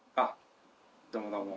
どうもどうも。